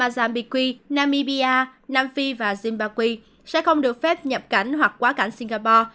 zimbabwe namibia nam phi và zimbabwe sẽ không được phép nhập cảnh hoặc quá cảnh singapore